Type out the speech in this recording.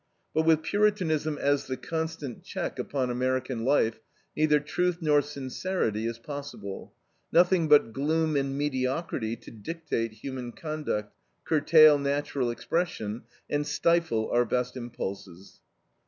But with Puritanism as the constant check upon American life, neither truth nor sincerity is possible. Nothing but gloom and mediocrity to dictate human conduct, curtail natural expression, and stifle our best impulses.